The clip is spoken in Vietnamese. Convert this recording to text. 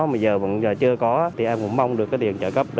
mà giờ mà giờ chưa có thì em cũng mong được cái tiền trợ cấp